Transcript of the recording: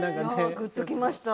ぐっときました。